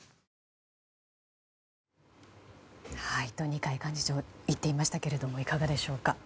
二階幹事長は言っていましたがいかがでしょうか。